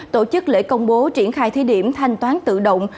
tổ chức lễ công bố triển khai thí điểm thanh toán tự động